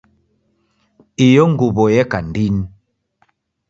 Iyo nguw'o yeka ni ndini